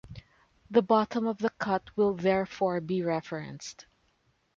The bottom of the cut will therefore be referenced.